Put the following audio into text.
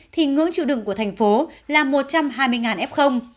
thì ngưỡng chịu đựng của thành phố là một trăm hai mươi f